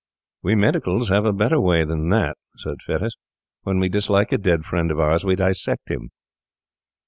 'We medicals have a better way than that,' said Fettes. 'When we dislike a dead friend of ours, we dissect him.